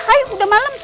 hayuk udah malem